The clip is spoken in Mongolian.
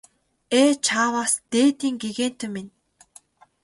Ээ чааваас дээдийн гэгээнтэн минь!